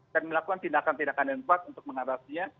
dan melakukan tindakan tindakan yang kuat untuk mengatasinya